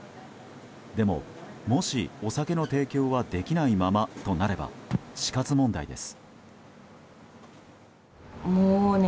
でも、もしお酒の提供はできないままとなれば死活問題です。